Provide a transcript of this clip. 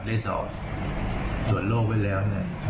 ที่สาธารณ์สุขจังหวัดได้สอบส่วนโลกไว้แล้ว